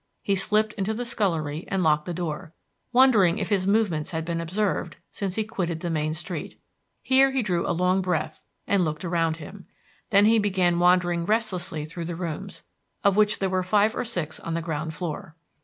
He slipped into the scullery and locked the door, wondering if his movements had been observed since he quitted the main street. Here he drew a long breath and looked around him; then he began wandering restlessly through the rooms, of which there were five or six on the ground floor.